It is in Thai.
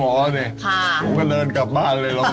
อืมอืมอืมอืมอืมอืม